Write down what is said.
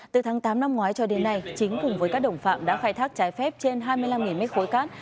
từ tháng tám năm ngoái cho đến nay chính cùng với các đồng phạm đã khai thác trái phép trên hai mươi năm mét khối cát